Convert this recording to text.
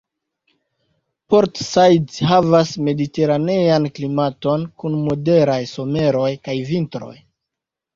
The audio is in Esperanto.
Port Said havas mediteranean klimaton kun moderaj someroj kaj vintroj.